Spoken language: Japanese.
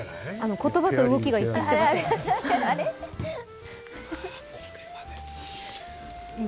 言葉と動きが一致してません。